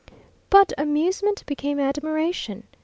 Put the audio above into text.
But amusement became admiration.